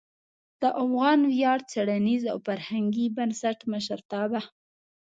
د افغان ویاړ څیړنیز او فرهنګي بنسټ مشرتابه